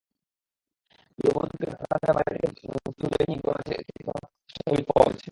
গৃহবধূকে রাতের আঁধারে বাড়ি থেকে তুলে নিয়ে গলা কেটে হত্যাচেষ্টার অভিযোগ পাওয়া গেছে।